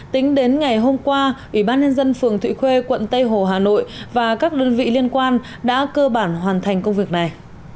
tính đến ngày hôm qua ủy ban nhân dân phường thụy khuê quận tây hồ hà nội và các đơn vị liên quan đã cơ bản hoàn thành công việc này